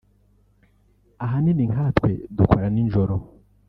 Ahanini nkatwe dukora nijoro